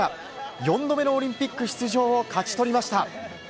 ４度目のオリンピック出場を勝ち取りました。